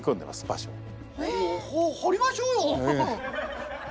もうほ掘りましょうよ！